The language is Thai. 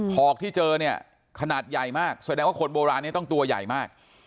อกที่เจอเนี่ยขนาดใหญ่มากแสดงว่าคนโบราณนี้ต้องตัวใหญ่มาก